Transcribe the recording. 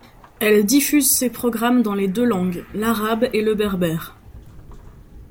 Elle diffuse ses programmes dans les deux langues l'arabe et le berbère.